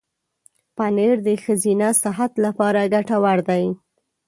پنېر د ښځینه صحت لپاره ګټور دی.